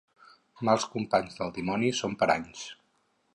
Mals companys, del dimoni són paranys.